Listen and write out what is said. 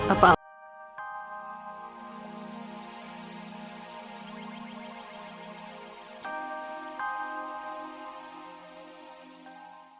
apa al sampai menemui elsa